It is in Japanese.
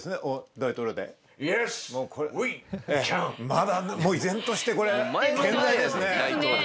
まだ依然としてこれ健在ですね。